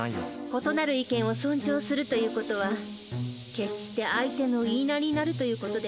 異なる意見を尊重するという事は決して相手の言いなりになるという事ではないわ。